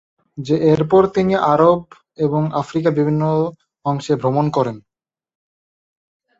এরপর তিনি আরব এবং আফ্রিকার বিভিন্ন অংশে ভ্রমণ করেন।